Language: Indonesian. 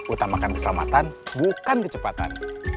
utamakan keselamatan bukan kecepatan